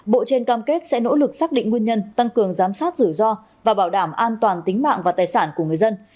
bộ trên cam kết sẽ nỗ lực xác định nguyên nhân tăng cường giám sát rủi ro và bảo đảm an toàn tính mạng và tài sản của người dân